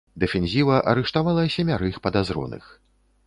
Дэфензіва арыштавала семярых падазроных.